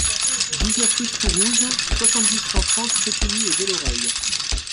dix-neuf rue de Fourouze, soixante-dix, cent trente, Fretigney-et-Velloreille